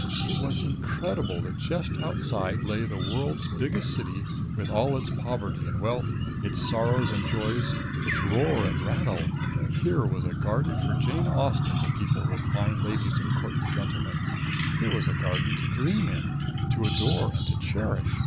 It was incredible that just outside lay the world's biggest city, with all its poverty and wealth, its sorrows and joys, its roar and rattle. Here was a garden for Jane Austen to people with fine ladies and courtly gentlemen here was a garden to dream in, to adore and to cherish.